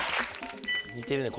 似てるね